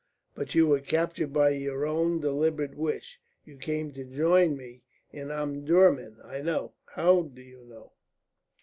But you were captured by your own deliberate wish. You came to join me in Omdurman. I know." "How do you know?"